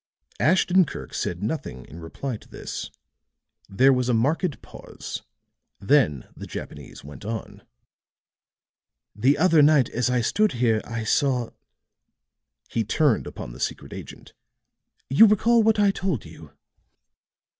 Ashton Kirk said nothing in reply to this; there was a marked pause, then the Japanese went on: "The other night as I stood here, I saw " he turned upon the secret agent. "You recall what I told you?"